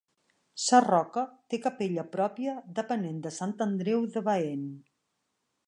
Sarroca té capella pròpia, depenent de Sant Andreu de Baén.